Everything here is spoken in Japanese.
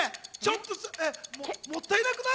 もったいなくない？